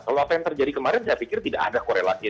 kalau apa yang terjadi kemarin saya pikir tidak ada korelasi